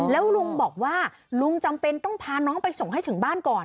แล้วลุงบอกว่าลุงจำเป็นต้องพาน้องไปส่งให้ถึงบ้านก่อน